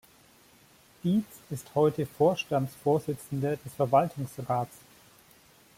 Dietz ist heute Vorstandsvorsitzender des Verwaltungsrats.